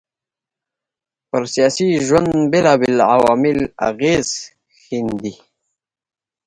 پر سياسي ژوند بېلابېل عوامل اغېز ښېندي